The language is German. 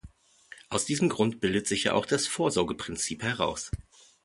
Aus diesem Grund bildet sich ja auch das Vorsorgeprinzip heraus.